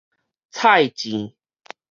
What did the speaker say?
菜糋